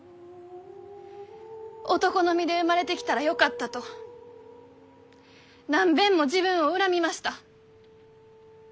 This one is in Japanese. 男の身で生まれてきたらよかったと何べんも自分を恨みました。